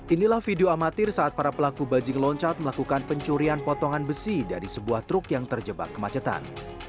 inilah video amatir saat para pelaku bajing loncat melakukan pencurian potongan besi dari sebuah truk yang terjebak kemacetan